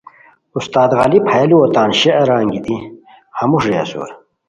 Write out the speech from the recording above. استاد غالبؔ ہیہ لوُؤ تان شعرہ انگیتی ہموݰ رے اسور